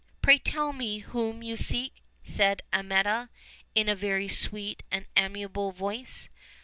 "Pray tell me whom you seek?" said Amietta, in a very sweet and amiable voice.